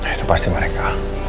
itu pasti mereka